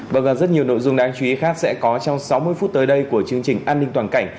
vâng rất nhiều nội dung đáng chú ý khác sẽ có trong sáu mươi phút tới đây của chương trình an ninh toàn cảnh